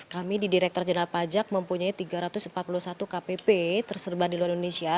kami di direktur jenderal pajak mempunyai tiga ratus empat puluh satu kpp tersebar di luar indonesia